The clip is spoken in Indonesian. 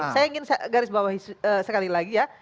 saya ingin garis bawah sekali lagi ya